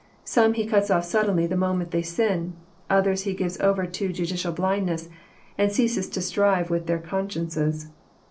Some He cuts off suddenly the moment they sin. Others He gives over to judicial blindness, and ceases to strive with their consciences.